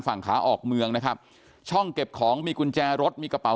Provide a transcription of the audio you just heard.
ฝั่งขาออกเมืองนะครับช่องเก็บของมีกุญแจรถมีกระเป๋